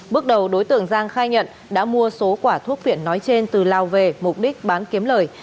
bước đầu đối tượng giang khai nhận đã mua số quả thuốc phiện nói trên từ lào về mục đích bán kiếm lời